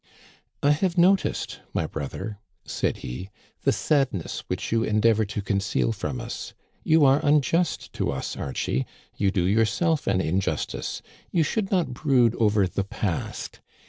I have noticed, my brother," said he, " the sadness which you endeavor to conceal from us. You are un just to us, Archie, you do yourself an injustice. You should not brood over the past.